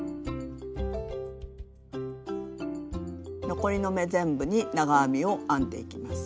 残りの目全部に長編みを編んでいきます。